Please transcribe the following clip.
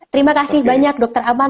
terima kasih banyak dokter amal